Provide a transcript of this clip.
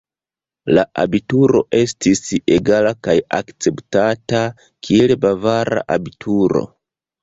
La abituro estis egala kaj akceptata, kiel bavara abituro.